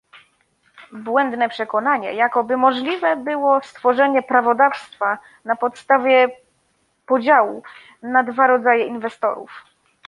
Błędne przekonanie, jakoby możliwe było stworzenie prawodawstwa na podstawie podziału na dwa rodzaje inwestorów